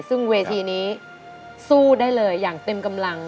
ซึ่งเวทีนี้สู้ได้เลยอย่างเต็มกำลัง